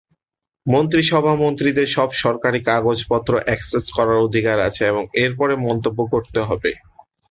মন্ত্রিসভা মন্ত্রীদের সব সরকারি কাগজপত্র অ্যাক্সেস করার অধিকার আছে এবং এর পরে মন্তব্য করতে হবে।